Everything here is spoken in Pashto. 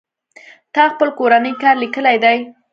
تا خپل کورنۍ کار ليکلى دئ.